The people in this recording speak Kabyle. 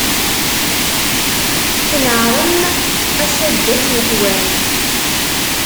Tneɛrem a saddat yeqqwan.